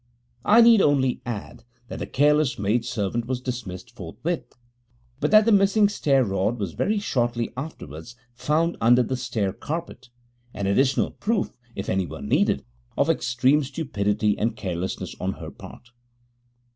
I need only add that the careless maid servant was dismissed forthwith, but that the missing stair rod was very shortly afterwards found under the stair carpet an additional proof, if any were needed, of extreme stupidity and carelessness on her part.